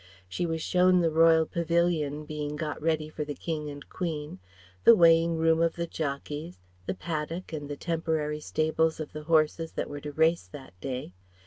She was shown the Royal pavilion being got ready for the King and Queen, the weighing room of the jockeys, the paddock and temporary stables of the horses that were to race that day.